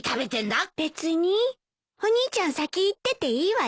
別にお兄ちゃん先行ってていいわよ。